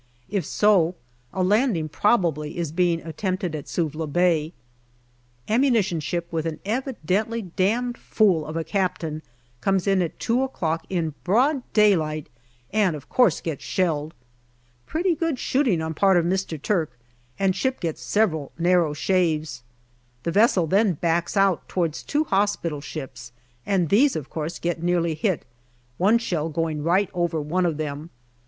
If so, a landing probably is being attempted at Suvla Bay. Ammunition ship with an evidently damned fool of a captain comes in at two o'clock in broad daylight, and of course gets shelled. Pretty good shooting on part of Mr. Turk, and ship gets several narrow shaves. The vessel then backs out towards two hospital ships, and these of course get nearly hit, one shell going right over one of them.